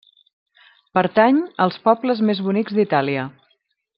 Pertany a Els pobles més bonics d'Itàlia.